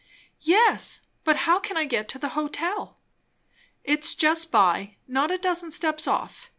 "Yes; but how can I get to the hotel?" "It's just by; not a dozen steps off.